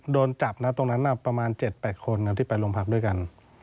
โดนจับประมาณ๗๘คนที่ไปโรงพักด้วยกัน